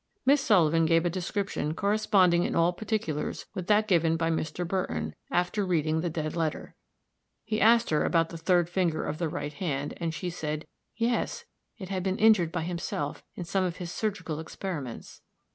Miss Sullivan gave a description corresponding in all particulars with that given by Mr. Burton, after reading the dead letter; he asked her about the third finger of the right hand, and she said "Yes, it had been injured by himself, in some of his surgical experiments."